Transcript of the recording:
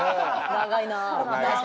長いなあ。